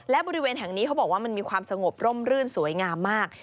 และบริเวณแห่งนี้เขาบอกว่ามันมีความสงบร่มรื่นสวยงามมาก